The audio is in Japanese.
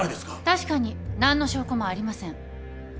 確かに何の証拠もありません。